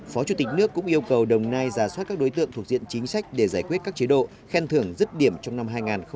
phó chủ tịch nước cũng yêu cầu đồng nai giả soát các đối tượng thuộc diện chính sách để giải quyết các chế độ khen thưởng dứt điểm trong năm hai nghìn hai mươi